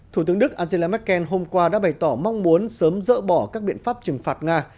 thủ tướng đức angela merkel hôm qua đã bày tỏ mong muốn sớm dỡ bỏ các biện pháp trừng phạt nga